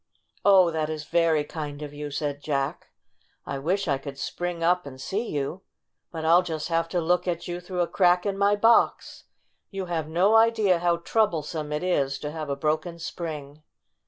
"Oh, that is very kind of you," said Jack. "I wish I could spring up and see you, but I'll just have to look at you through a crack in my box. You have no idea how troublesome it is to have a broken spring."